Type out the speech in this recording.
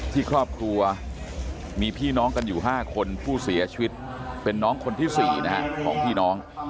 ที่ครอบครัวมีพี่น้องกันอยู่๕คนผู้เสียชีวิตเป็นน้องคนที่๔นะฮะของพี่น้อง